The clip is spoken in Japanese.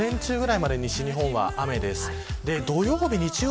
あしたの午前中くらいまで西日本は雨です。